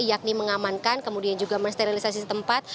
yakni mengamankan kemudian juga mensterilisasi tempat